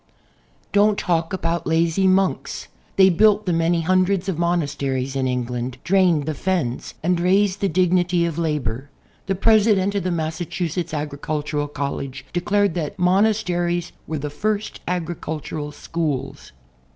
• Don't talk about "lazy monks." They built the many hundreds of monasteries in England, drained the fens and raised the dignity of labor. The President of the Massa chusetts Agricultural College declared that monasteries were the first agricultural schools.